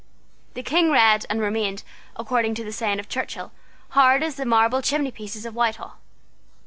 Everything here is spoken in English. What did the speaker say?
The King read, and remained, according to the saying of Churchill, hard as the marble chimneypieces of Whitehall.